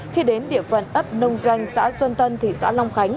khi đến địa phận ấp nông doanh xã xuân tân thị xã long khánh